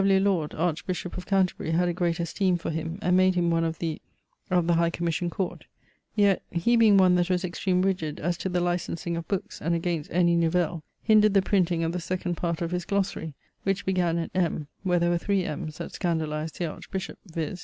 W. Laud, archbishop of Canterbury, had a great esteeme for him, and made him one of the ... of the High Commission Court; yet (he being one that was extreme rigid as to the licensing of bookes, and against any nouvelle) hindred the printing of the 2d part of his Glossary, which began at M, where there were three M's that scandalized the Archbishop, viz.